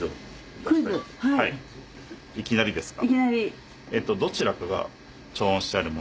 いきなりですが。